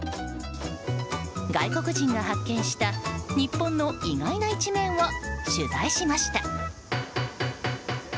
外国人が発見した日本の意外な一面を取材しました。